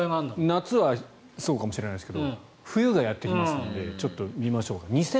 夏はそうかもしれませんが冬がやってきますのでちょっと見ましょうか。